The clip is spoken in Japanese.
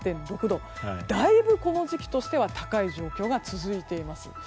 だいぶ、この時期としては高い状況が続いています。